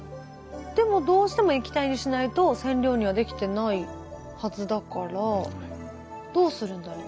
でもどうしても液体にしないと染料にはできてないはずだからどうするんだろう？